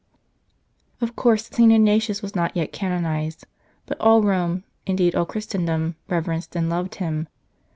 Of course St. Ignatius was not yet canonized, but all Rome, indeed all Christendom, reverenced and loved him.